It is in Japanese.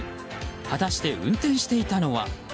果たして運転していたのは。